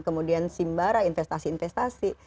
kemudian simbara investasi investasi